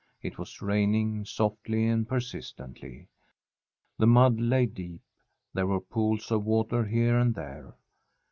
It was raining, softly and persistently. The mud lay deep. There were pools of water here and there.